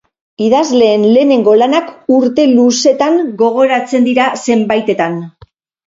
Idazleen lehenengo lanak urte luzetan gogoratzen dira zenbaitetan.